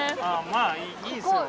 まあいいですよ。